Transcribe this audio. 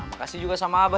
makasih juga sama abah